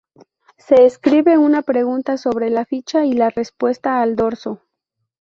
Se escribe una pregunta sobre la ficha y la respuesta al dorso.